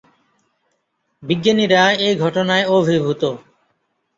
বিজ্ঞানীরা এ ঘটনায় অভিভূত।